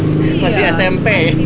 iya masih cine